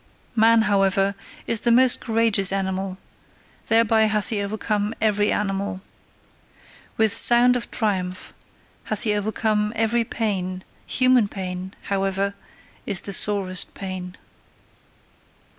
Man, however, is the most courageous animal: thereby hath he overcome every animal. With sound of triumph hath he overcome every pain; human pain, however, is the sorest pain.